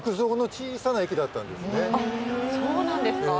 そうなんですか。